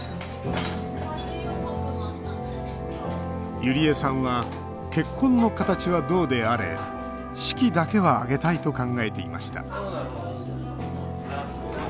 ゆりえさんは結婚の形はどうであれ式だけは挙げたいと考えていました。